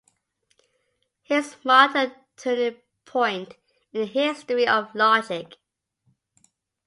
His marked a turning point in the history of logic.